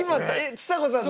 ちさ子さんの。